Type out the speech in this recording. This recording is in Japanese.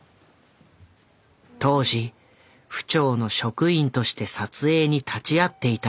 当時府庁の職員として撮影に立ち会っていた人物がいる。